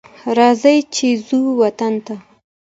راځه چې ځو وطن ته